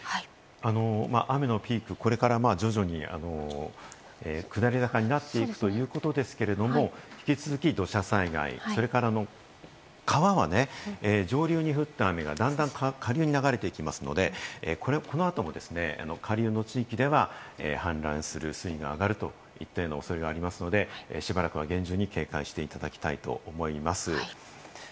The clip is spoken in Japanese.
雨のピーク、これから徐々に下り坂になっていくということですけれども、引き続き土砂災害、それから川は上流に降った雨が段々、下流に流れていきますので、この後も下流の地域では氾濫する、水位が上がると言ったような恐れがありますので、しばらくは厳重に警戒していただきたいと思います。